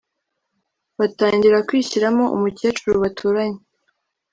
batangira kwishyiramo umukecuru baturanye